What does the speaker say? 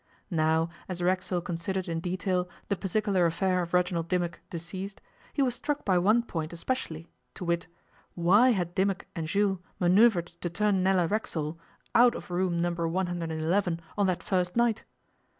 Now, as Racksole considered in detail the particular affair of Reginald Dimmock, deceased, he was struck by one point especially, to wit: Why had Dimmock and Jules manoeuvred to turn Nella Racksole out of Room No. 111 on that first night?